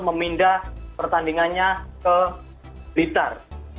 memindah pertandingannya ke blitar